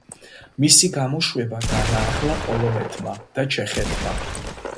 მისი გამოშვება განაახლა პოლონეთმა და ჩეხეთმა.